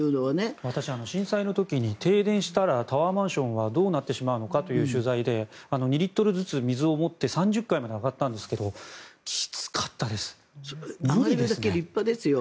私、震災の時に停電したらタワーマンションはどうなってしまうのかという取材で２リットルずつ水を持って３０階まで上がったんですがやるだけ立派ですよ。